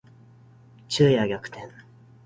昼夜逆転